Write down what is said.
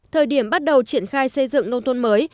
thời điểm bắt đầu triển khai xây dựng nông thôn mới